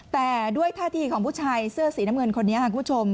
แต่ด้วยท่าทีของผู้ชายเสื้อสีน้ำเงินคนนี้ค่ะคุณผู้ชม